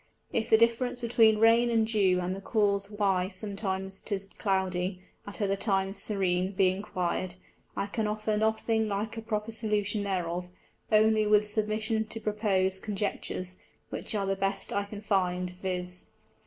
If the difference between Rain and Dew, and the cause why sometimes 'tis Cloudy, at other times Serene, be inquir'd, I can offer nothing like a proper Solution thereof, only with submission to propose Conjectures, which are the best I can find, _viz.